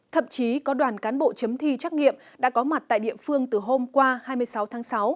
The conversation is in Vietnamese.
thậm chí có đoàn cán bộ chấm thi trắc nghiệm đã có mặt tại địa phương từ hôm qua hai mươi sáu tháng sáu